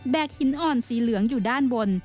หินอ่อนสีเหลืองอยู่ด้านบน